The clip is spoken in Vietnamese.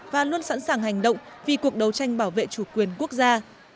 và luôn sẵn sàng hành động vì cuộc đấu tranh bảo vệ chủ quyền quốc gia